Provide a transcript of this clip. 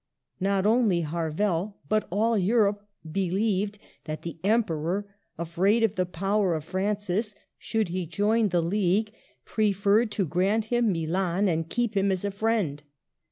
Not only Harvel but all Europe believed that the Emperor, afraid of the power of Francis should he join the League, preferred to grant him Milan and keep him as a friend.